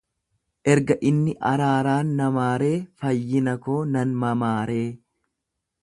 Erga inni araaraan na maaree, fayyina koo nan mamaaree?